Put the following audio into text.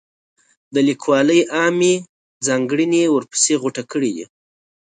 د لیکوالۍ عامې ځانګړنې یې ورپسې غوټه کړي دي.